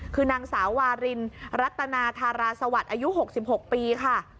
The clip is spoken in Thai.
คือนางสาวาลินรัตนาธาราศวรรษอายุหกสิบหกปีค่ะ